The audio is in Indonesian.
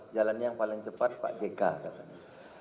jalannya yang paling cepat pak jk katanya